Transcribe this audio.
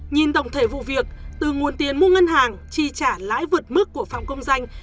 nhìn tổng thể vụ việc từ nguồn tiền mua ngân hàng chi trả lãi vượt mức của phạm công danh